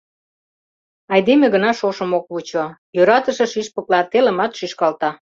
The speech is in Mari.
Айдеме гына шошым ок вучо: йӧратыше шӱшпыкла телымат шӱшкалта.